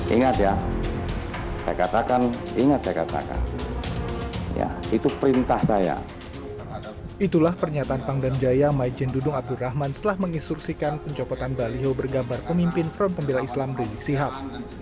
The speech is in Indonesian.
itulah pernyataan pangdam jaya majendudung abdurrahman setelah menginstruksikan pencopotan baliho bergambar pemimpin front pembela islam rizik sihab